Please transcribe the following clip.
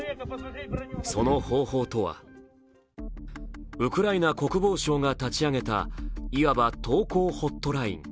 その方法とはウクライナ国防省が立ち上げたいわば投降ホットライン。